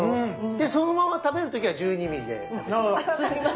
でそのまま食べる時は１２ｍｍで食べると。